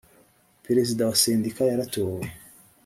perezida wa sendika yaratowe